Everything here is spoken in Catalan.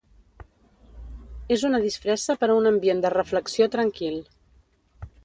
És una disfressa per a un ambient de reflexió tranquil.